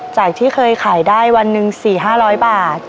จากที่เคยขายได้วันหนึ่งสี่ห้าร้อยบาท